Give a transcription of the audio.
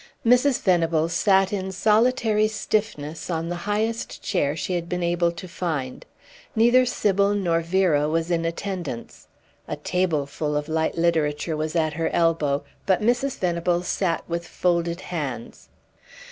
Mrs. Venables sat in solitary stiffness on the highest chair she had been able to find; neither Sybil nor Vera was in attendance; a tableful of light literature was at her elbow, but Mrs. Venables sat with folded hands.